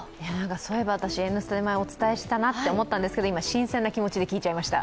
そういえば私、「Ｎスタ」でお伝えしたなと思ったんですが今、新鮮な気持ちで聞いちゃいました。